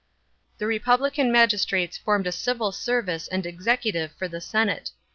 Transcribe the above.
The Republican magistrates formed a civil service and executive for the senate.